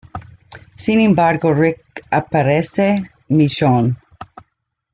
Sin embargo Rick aparece Michonne.